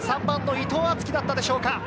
３番の伊藤敦樹だったでしょうか。